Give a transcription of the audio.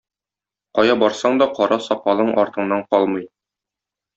Кая барсаң да кара сакалың артыңнан калмый.